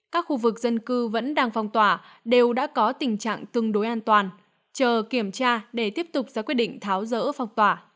các khu vực dân cư vẫn đang phong tỏa đều đã có tình trạng tương đối an toàn chờ kiểm tra để tiếp tục ra quyết định tháo rỡ phong tỏa